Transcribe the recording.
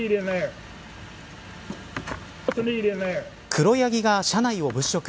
黒ヤギが車内を物色。